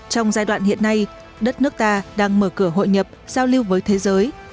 trong giai đoạn hiện nay đất nước ta đang mở cửa hội nhập giao lưu với thế giới